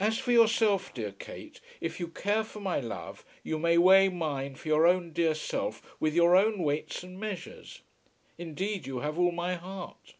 As for yourself, dear Kate, if you care for my love, you may weigh mine for your own dear self with your own weights and measures. Indeed you have all my heart.